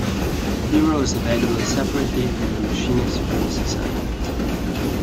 Hero is available separately on the Machinae Supremacy site.